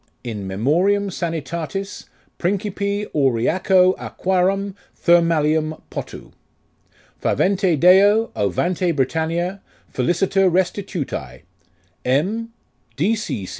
In memoriam sanitatis Principi Auriaco Aquarum thermalium potu. Favente Deo, ovante Britannia, feliciter restitutse, M.